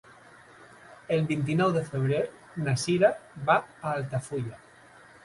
El vint-i-nou de febrer na Cira va a Altafulla.